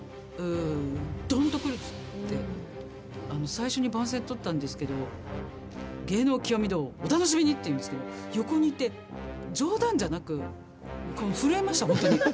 最初に番宣撮ったんですけどって言うんですけど、横にいて冗談じゃなく震えました本当に。